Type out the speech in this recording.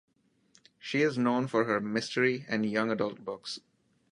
She is known for her mystery and young adult books.